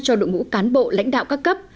cho đội ngũ cán bộ lãnh đạo các cấp